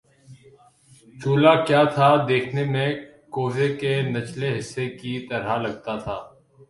چولہا کیا تھا دیکھنے میں کوزے کے نچلے حصے کی طرح لگتا تھا